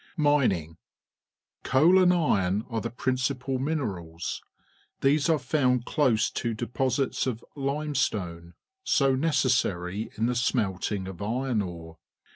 Mining. — Coal and iron are the principal minerals. Theselife found close to deposits of limestone, so necessary in the smelting of iron ore.